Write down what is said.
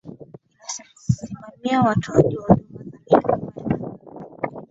inasimamia watoaji wa huduma za mifumo ya malipo